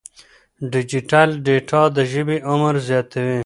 ډیجیټل ډیټا د ژبې عمر زیاتوي.